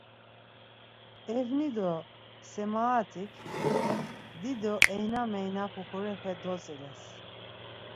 Evni do Semaxetik dido eyna meyna pukurepe dotziles.